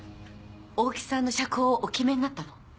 大木さんの釈放をお決めになったの？